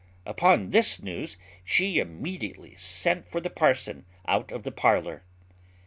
Upon this news, she immediately sent for the parson out of the parlour.